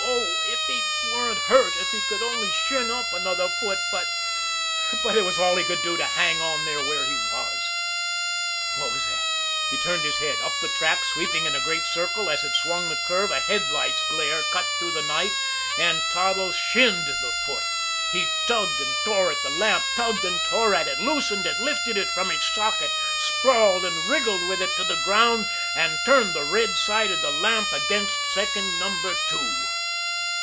Oh, if he weren't hurt if he could only shin up another foot but but it was all he could do to hang there where he was. What was that! He turned his head. Up the track, sweeping in a great circle as it swung the curve, a headlight's glare cut through the night and Toddles "shinned" the foot. He tugged and tore at the lamp, tugged and tore at it, loosened it, lifted it from its socket, sprawled and wriggled with it to the ground and turned the red side of the lamp against second Number Two.